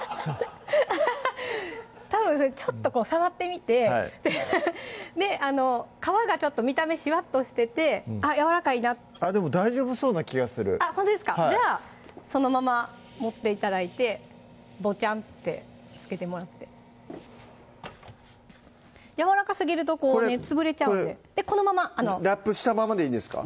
たぶんちょっと触ってみて皮がちょっと見た目しわっとしててあっやわらかいなでも大丈夫そうな気がするほんとですかじゃあそのまま持って頂いてボチャンってつけてもらってやわらかすぎると潰れちゃうんでこのままラップしたままでいいんですか？